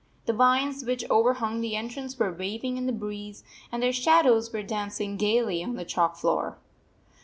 The vines which overhung the entrance were waving in the breeze, and their shadows were dancing gayly on the chalk floor.